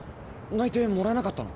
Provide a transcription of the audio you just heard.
内定もらえなかったの？